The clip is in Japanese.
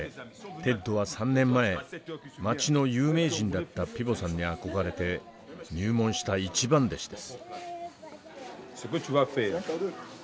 テッドは３年前街の有名人だったピヴォさんに憧れて入門した一番弟子です。